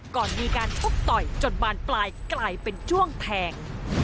ก่อนมีการชกต่อยจนบานปลายกลายเป็นจ้วงแทง